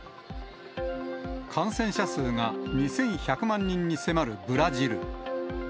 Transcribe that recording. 感染者数が２１００万人に迫るブラジル。